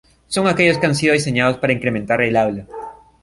Son aquellos que han sido diseñados para incrementar el habla.